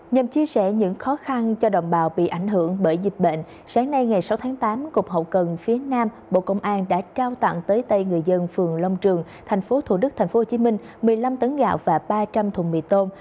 nhằm chia sẻ những khó khăn cho đồng bào bị ảnh hưởng bởi dịch bệnh sáng nay ngày sáu tháng tám cục hậu cần phía nam bộ công an đã trao tặng tới tay người dân phường long trường tp thủ đức tp hcm một mươi năm tấn gạo và ba trăm linh thùng mì tôm